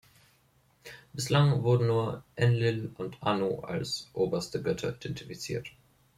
Bislang wurden nur Enlil und Anu als oberste Götter identifiziert.